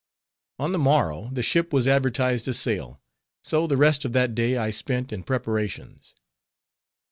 On the morrow, the ship was advertised to sail. So the rest of that day I spent in preparations.